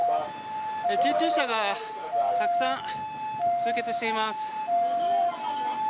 救急車がたくさん集結しています。